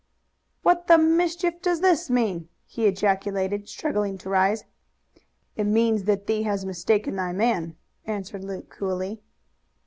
"What the mischief does this mean?" he ejaculated, struggling to rise. "It means that thee has mistaken thy man," answered Luke coolly.